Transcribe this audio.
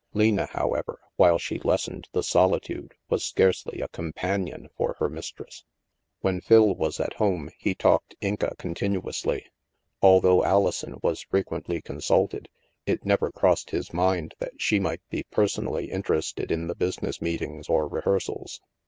Lena, however, while she lessened the solitude, was scarcely a companion for her mistress. When Phil was at home, he talked Inca cc«i tinuously. Although Alison was frequently con sulted, it never crossed his mind that she might be personally interested in the business meetings or rehearsals.